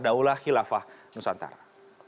daulah khilafah nusantara